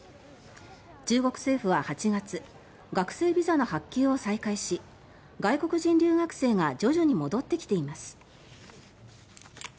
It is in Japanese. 中国政府は、８月学生ビザの発給を再開し外国人留学生が徐々に戻ってきています。